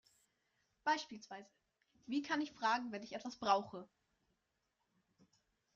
Beispielsweise: „Wie kann ich fragen, wenn ich etwas brauche.